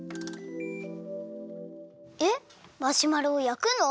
えっマシュマロをやくの？